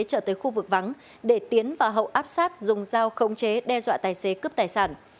trở tới khu vực vắng để tiến và hậu áp sát dùng dao khống chế đe dọa tài xế cướp tài sản